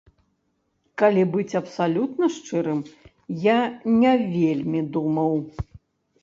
Калі быць абсалютна шчырым, я не вельмі думаў.